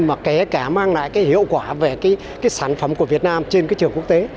mà kể cả mang lại hiệu quả về sản phẩm của việt nam trên trường quốc tế